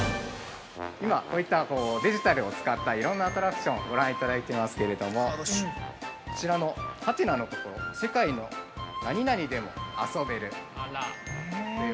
◆今こういったデジタルを使ったいろんなアトラクションご覧いただいてますけれどもこちらの、「はてな」のところ世界の何々でも遊べる。